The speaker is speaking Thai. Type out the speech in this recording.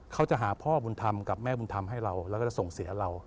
เขาจะหาพ่อบุญธรรมกับแม่บุญธรรมให้เราแล้วก็จะส่งเสียเรา